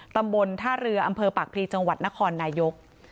ตำบลท่าเรืออำเภอปากพลีจังหวัดนครนายก